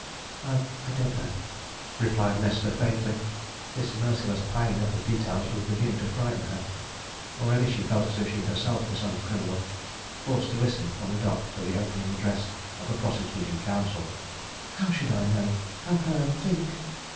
"I don't know!" replied Nesta faintly. This merciless piling up of details was beginning to frighten her already she felt as if she herself were some criminal, forced to listen from the dock to the opening address of a prosecuting counsel. "How should I know? how can I think?"